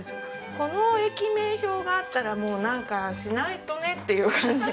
この駅名標があったらなんかしないとねっていう感じに。